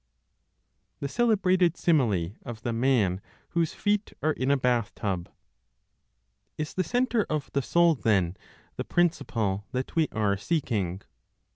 THE CELEBRATED SIMILE OF THE MAN WHOSE FEET ARE IN A BATH TUB. Is the centre of the soul then the principle that we are seeking?